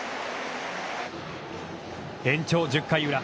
延長１０回裏。